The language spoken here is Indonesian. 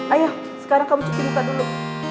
ayo sekarang kamu cuci muka dulu